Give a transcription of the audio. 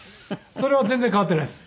それは全然変わっていないです。